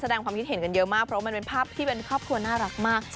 แสดงความคิดเห็นกันเยอะมากเพราะมันเป็นภาพที่เป็นครอบครัวน่ารักมาก